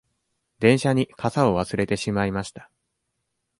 電車に傘を忘れてしまいました。